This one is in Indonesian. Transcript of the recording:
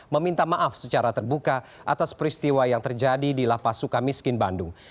meminta maaf secara terbuka atas peristiwa yang terjadi di lapas suka miskin bandung